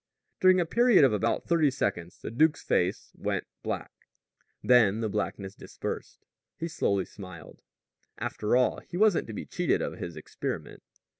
During a period of about thirty seconds the duke's face went black. Then the blackness dispersed. He slowly smiled. After all, he wasn't to be cheated of his experiment.